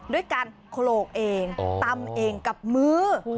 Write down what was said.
ด้วยการโขลกเองตำเองกับมือ